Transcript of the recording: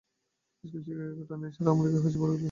School শিক্ষিকার এই ঘটনা নিয়ে সারা আমেরিকায় হৈচৈ পড়ে গেল।